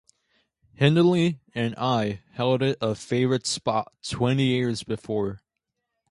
Hindley and I held it a favourite spot twenty years before.